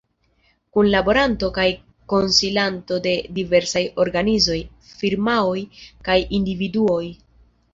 Kunlaboranto kaj konsilanto de diversaj organizoj, firmaoj kaj individuoj.